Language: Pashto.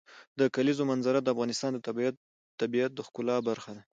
د کلیزو منظره د افغانستان د طبیعت د ښکلا برخه ده.